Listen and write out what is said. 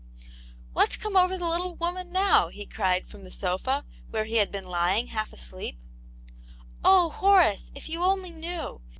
"What's come over the little woman now ?" he cried, from the sofa, where he had been lying, half asleep. "Oh, Horace, if you only knew!